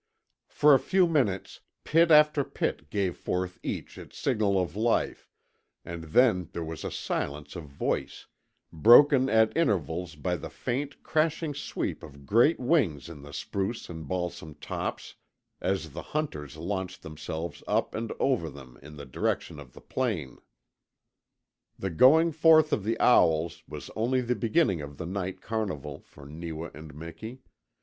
For a few minutes pit after pit gave forth each its signal of life, and then there was a silence of voice, broken at intervals by the faint, crashing sweep of great wings in the spruce and balsam tops as the hunters launched themselves up and over them in the direction of the plain. The going forth of the owls was only the beginning of the night carnival for Neewa and Miki.